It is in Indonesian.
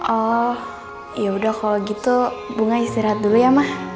oh yaudah kalau gitu bunga istirahat dulu ya mah